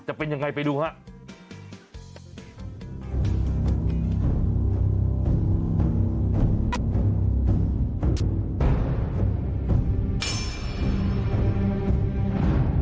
จะเป็นยังไงไปดูครับ